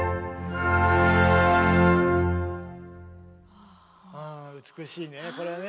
はあ美しいねこれね。